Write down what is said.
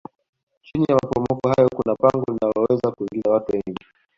chini ya maporomoko hayo kuna pango linaloweza kuingiza watu wengi